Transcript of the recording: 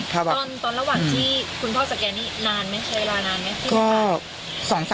นำไม่เคยร้านานเนี่ยจริงป่ะ